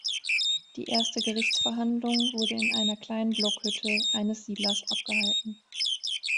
Die erste Gerichtsverhandlung wurde in einer kleinen Blockhütte eines Siedlers abgehalten.